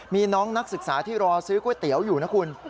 มีน้องนักศึกษาที่รอซื้อก๋วยเตี๋ยวอยู่นะคุณ